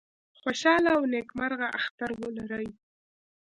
خوشاله او نیکمرغه اختر ولرئ